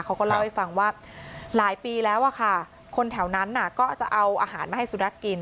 เขาก็เล่าให้ฟังว่าหลายปีแล้วอะค่ะคนแถวนั้นก็จะเอาอาหารมาให้สุนัขกิน